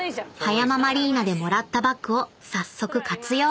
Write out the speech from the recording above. ［葉山マリーナでもらったバッグを早速活用］